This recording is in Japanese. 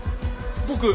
僕。